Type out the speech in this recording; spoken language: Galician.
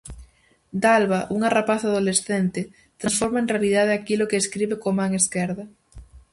Dalva, unha rapaza adolescente, transforma en realidade aquilo que escribe coa man esquerda.